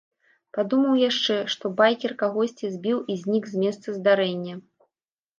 Падумаў яшчэ, што байкер кагосьці збіў і знік з месца здарэння.